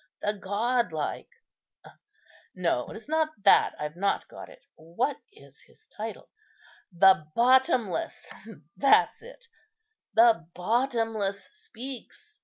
the godlike'—no, it is not that. I've not got it. What is his title? 'the Bottomless,' that's it—'the Bottomless speaks.